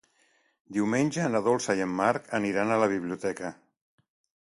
Diumenge na Dolça i en Marc aniran a la biblioteca.